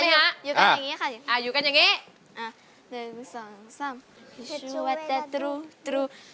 เพื่อนรักไดเกิร์ต